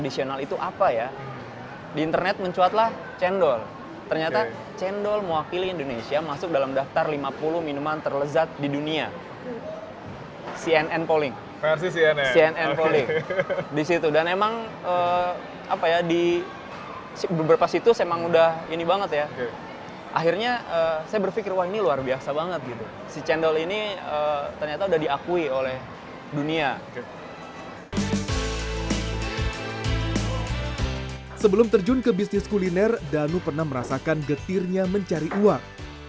sebelum terjun ke bisnis kuliner danu pernah merasakan getirnya mencari uang